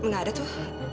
gak ada tuh